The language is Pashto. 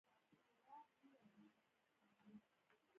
د مافوق احترام ولې پکار دی؟